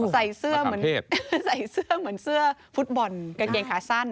ใส่เสื้อเหมือนเสื้อฟุตบอลกางเกงขาสั้น